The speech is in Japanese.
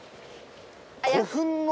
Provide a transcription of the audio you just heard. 「古墳の」